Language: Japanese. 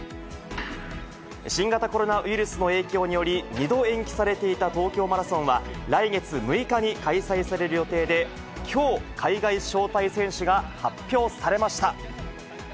新型コロナウイルスの影響により、２度延期されていた東京マラソンは、来月６日に開催される予定で、きょう海外招待選手が発表されました。